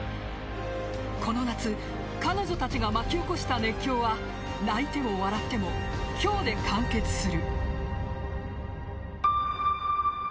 この夏、彼女たちが巻き起こした熱狂は泣いても笑っても今日で完結する。